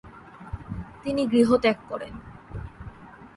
তিনি গৃহত্যাগ করেন।